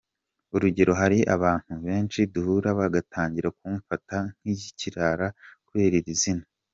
urugero hari abantu benshi duhura bagatangira kumfata nk’ikirara kubera iri zina.